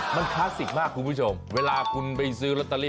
มันคลาสสิกมากคุณผู้ชมเวลาคุณไปซื้อลอตเตอรี่